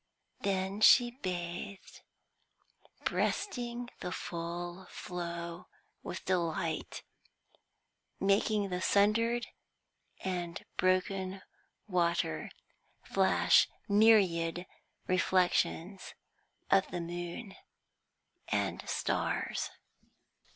Then she bathed, breasting the full flow with delight, making the sundered and broken water flash myriad reflections of the moon and stars.